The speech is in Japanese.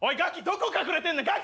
どこ隠れてんねん。